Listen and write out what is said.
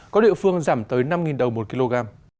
có địa phương giảm tới năm đồng một kg